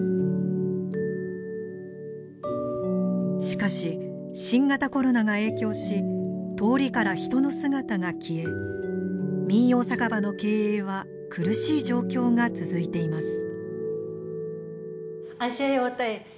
しかし新型コロナが影響し通りから人の姿が消え民謡酒場の経営は苦しい状況が続いています。